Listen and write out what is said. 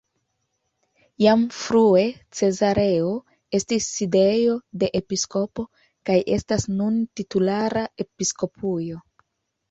Jam frue Cezareo estis sidejo de episkopo, kaj estas nun titulara episkopujo.